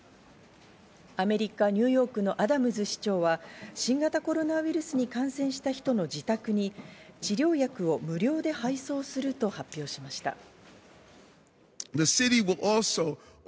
アメリカ・ニューヨークのアダムズ市長は新型コロナウイルスに感染した人の自宅に治療薬を無料で配送すると発表しました。